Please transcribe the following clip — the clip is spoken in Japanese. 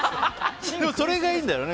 それがいいんだよね。